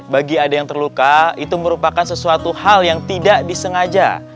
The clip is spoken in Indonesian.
bagi ada yang terluka itu merupakan sesuatu hal yang tidak disengaja